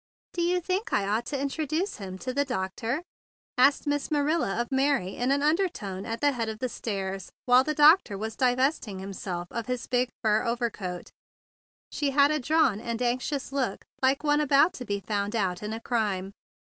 "Do you think I ought to introduce him to the doctor?" asked Miss Marilla of Mary in an undertone at the head of the stairs, while the doctor was divest 140 THE BIG BLUE SOLDIER ing himself of his big fur overcoat. She had a drawn anxious look like one about to be found out in a crime.